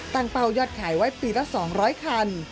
เป้ายอดขายไว้ปีละ๒๐๐คัน